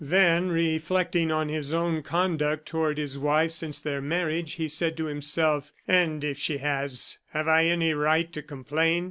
Then reflecting on his own conduct toward his wife since their marriage, he said to himself: "And if she has, have I any right to complain?